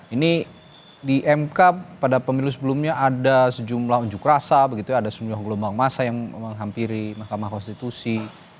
ini di mk pada pemilu sebelumnya ada sejumlah unjuk rasa begitu ya ada sejumlah gelombang masa yang menghampiri mahkamah konstitusi